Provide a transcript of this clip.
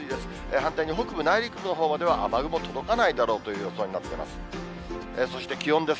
反対に北部、内陸部のほうまでは雨雲届かないだろうという予想になっています。